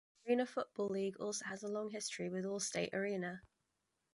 The Arena Football League also has a long history with Allstate Arena.